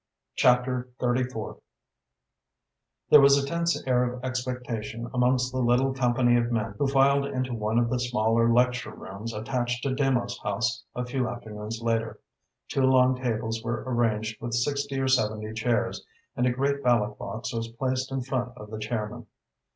"If that is so I'm sorry for you." CHAPTER XX There was a tense air of expectation amongst the little company of men who filed into one of the smaller lecture rooms attached to Demos House a few afternoons later. Two long tables were arranged with sixty or seventy chairs and a great ballot box was placed in front of the chairman.